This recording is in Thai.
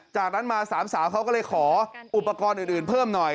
จากนั้นมาสามสาวเขาก็เลยขออุปกรณ์อื่นเพิ่มหน่อย